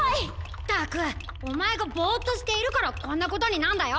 ったくおまえがぼっとしているからこんなことになんだよ。